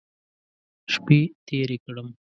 شپې تېرې کړم.